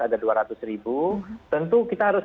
ada dua ratus ribu tentu kita harus